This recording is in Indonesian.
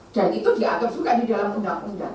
dan itu diatur suka di dalam undang undang